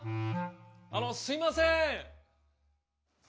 あのすいません。